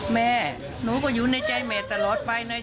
แม่หนูก็อยู่ในใจแม่ตลอดไปเลย